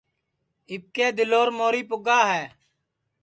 اِٻکے دِلور موری پُگا ہے